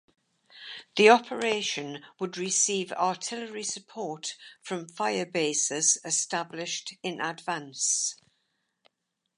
The operation would receive artillery support from fire bases established in advance.